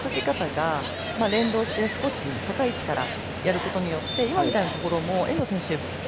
プレッシャーのかけ方が連動して少し高い位置からやることによって今みたいなところも遠藤選手